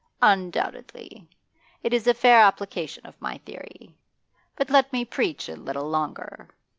'Undoubtedly. It is a fair application of my theory. But let me preach a little longer.